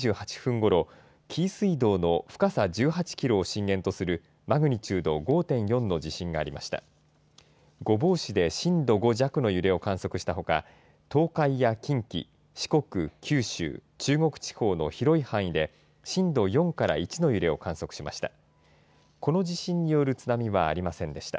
御坊市で震度５弱の揺れを観測したほか、東海や近畿、四国、九州、中国地方の広い範囲で、震度４から１の揺れを観測しました。